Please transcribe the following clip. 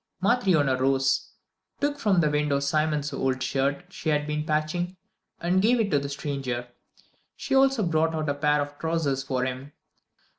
Matryona rose, took from the window Simon's old shirt she had been patching, and gave it to the stranger. She also brought out a pair of trousers for him.